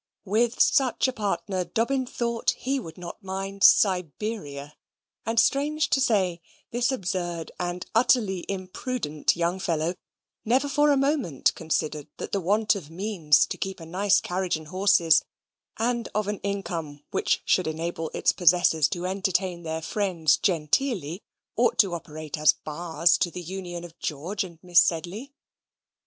With such a partner Dobbin thought he would not mind Siberia and, strange to say, this absurd and utterly imprudent young fellow never for a moment considered that the want of means to keep a nice carriage and horses, and of an income which should enable its possessors to entertain their friends genteelly, ought to operate as bars to the union of George and Miss Sedley.